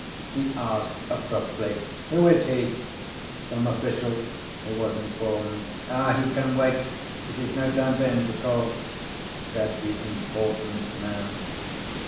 He asked abruptly, "Who is he?" "Some official," he was informed. "Ah, he can wait! this is no time for him to call," said the important man.